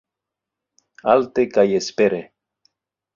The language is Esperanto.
Alte kaj espere